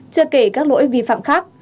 chưa kể các lỗi vi phạm khác